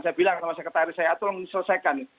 saya bilang sama sekretaris saya atur selesaikan